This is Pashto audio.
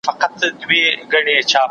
زه پرون مړۍ خورم.